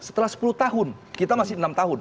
setelah sepuluh tahun kita masih enam tahun